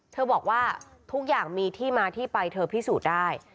บอกว่าทุกอย่างมีที่มาที่ไปเธอพิสูจน์ได้